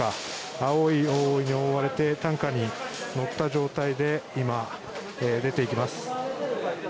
青い囲いに覆われて担架に乗った状態で今、出ていきます。